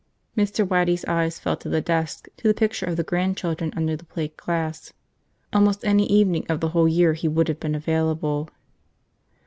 Mr. Waddy's eyes fell to the desk, to the picture of the grandchildren under the plate glass. Almost any evening of the whole year he would have been available.